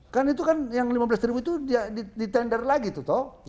kan itu kan yang lima belas ribu itu ditender lagi tuh toh